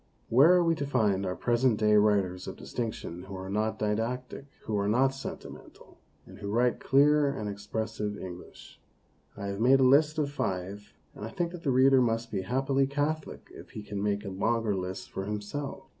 Where are we to find our present day writers of distinction who are not didactic, who are not sentimental, and who write clear and expressive English? I have made a list of five, and I think that the reader must be happily catholic if he can make a longer list for himself.